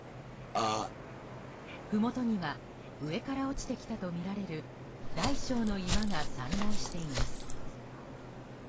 ふもとには上から落ちてきたとみられる大小の岩が散乱しています。